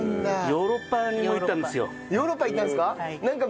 ヨーロッパ行ったんですか？